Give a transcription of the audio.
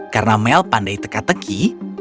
karena mel pandai teka teki